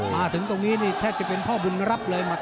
มาถึงตรงนี้นี่แทบจะเป็นพ่อบุญรับเลย